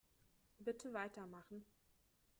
Bitte weitermachen.